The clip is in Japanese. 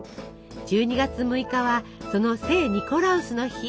１２月６日はその聖ニコラウスの日。